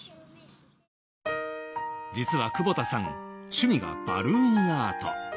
実は久保田さん趣味がバルーンアート。